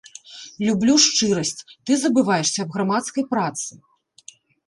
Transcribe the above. Люблю шчырасць, ты забываешся аб грамадскай працы.